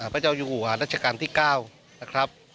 พระเจ้าอยู่หัวรัชกาลที่๙นะครับ